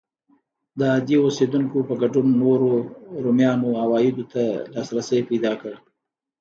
د عادي اوسېدونکو په ګډون نورو رومیانو عوایدو ته لاسرسی پیدا کړ.